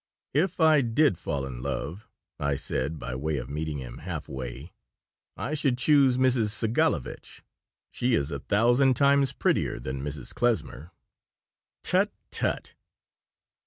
"If I did fall in love," I said, by way of meeting him halfway, "I should choose Mrs. Segalovitch. She is a thousand times prettier than Mrs. Klesmer." "Tut, tut!"